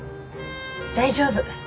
大丈夫。